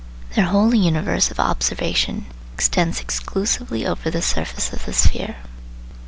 Their whole universe of observation extends exclusively over the surface of the sphere.